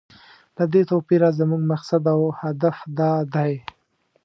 له دې توپیره زموږ مقصد او هدف دا دی.